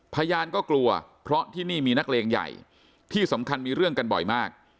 พยานก็กลัวเพราะที่นี่มีนักเลงใหญ่ที่สำคัญมีเรื่องกันบ่อยมาก